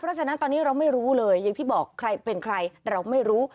เพราะฉะนั้นตอนนี้เราไม่รู้เลยอย่างที่บอกใครเป็นใครเราไม่รู้